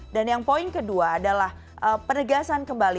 dan yang poin kedua adalah penegasan kembali